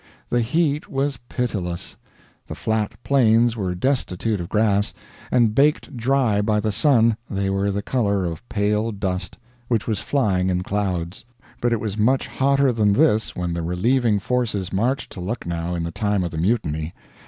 The heat was pitiless, the flat plains were destitute of grass, and baked dry by the sun they were the color of pale dust, which was flying in clouds. But it was much hotter than this when the relieving forces marched to Lucknow in the time of the Mutiny.